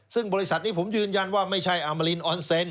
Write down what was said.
ซึ่งบริษัทนี้ผมยืนยันว่าไม่ใช่อามารินออนเซน